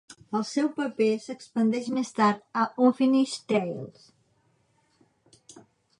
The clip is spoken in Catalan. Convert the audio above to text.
El seu paper s'expandeix més tard a "Unfinished Tales".